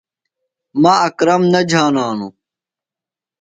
مہ اکرم نہ جھانانوۡ۔